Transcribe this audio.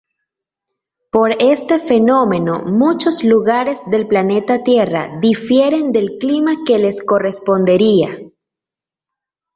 Por este fenómeno muchos lugares del planeta tierra difieren del clima que les correspondería.